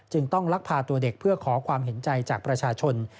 ต้องลักพาตัวเด็กเพื่อขอความเห็นใจจากประชาชน